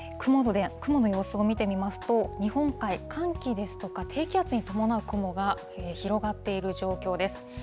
雲の様子を見てみますと、日本海、寒気ですとか、低気圧に伴う雲が広がっている状況です。